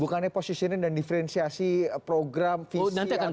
bukannya posisinya dan diferensiasi program visi atau apapun